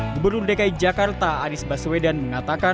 gubernur dki jakarta anies baswedan mengatakan